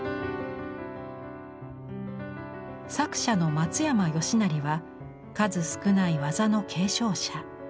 作者の松山好成は数少ない技の継承者。